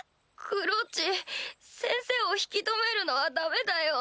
クロっち先生を引き留めるのはダメだよ。